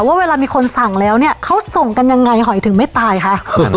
ว่าเวลามีคนสั่งแล้วเนี่ยเขาส่งกันยังไงหอยถึงไม่ตายคะ